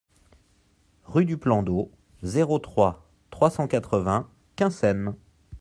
Rue du Plan d'Eau, zéro trois, trois cent quatre-vingts Quinssaines